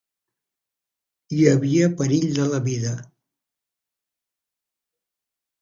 Hi havia perill de la vida.